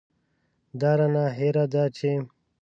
دا رانه هېره ده چې.